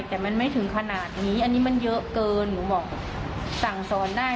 แต่มันไม่ถึงขนาดนี้อันนี้มันเยอะเกินหนูบอกสั่งสอนได้